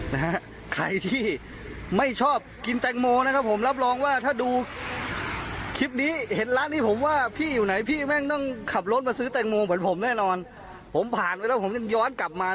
นะฮะใครที่ไม่ชอบกินแตงโมนะครับผมรับรองว่าถ้าดูคลิปนี้เห็นร้านนี้ผมว่าพี่อยู่ไหนพี่แม่งต้องขับรถมาซื้อแตงโมเหมือนผมแน่นอนผมผ่านไปแล้วผมจะย้อนกลับมา